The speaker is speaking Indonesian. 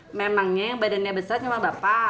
hmm memangnya badannya besar cuma bapak